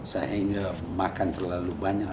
saya tidak makan terlalu banyak